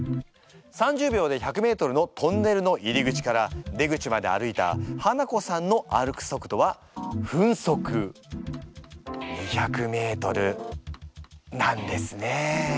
３０秒で１００ｍのトンネルの入り口から出口まで歩いたハナコさんの歩く速度は分速２００ｍなんですね。